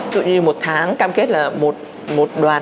tự nhiên một tháng cam kết là một đoàn